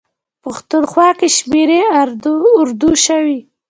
پښتونخوا کې شمېرې اردو شوي.